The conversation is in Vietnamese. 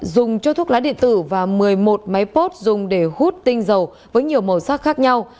dùng cho thuốc lá điện tử và một mươi một máy pot dùng để hút tinh dầu với nhiều màu sắc khác nhau